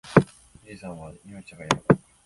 富士山は日本一高い山だ。